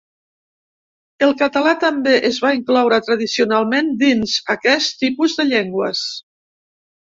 El català també es va incloure tradicionalment dins aquest tipus de llengües.